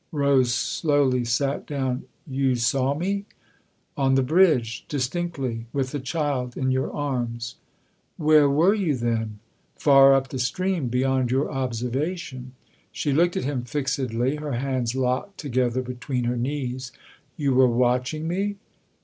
Rose slowly sat down. " You saw me ?" "On the bridge, distinctly. With the child in your arms." " Where were you then ?"" Far up the stream beyond your observation." She looked at him fixedly, her hands locked together between her knees. "You were watch ing me